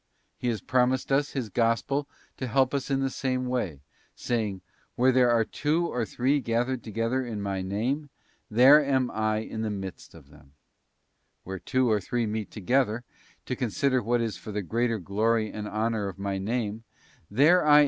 He has promised us in His Gospel to help us in the same way, saying, ' Where there are two or three gathered together in My Name, there am I in the midst of them.'f Where two or three meet together, to consider what is for the greater glory and honour of My Name, there am I in the midst of * Ex. iv. 14, 15, + S. Matt. xviii. 20.